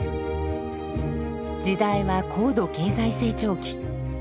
時代は高度経済成長期。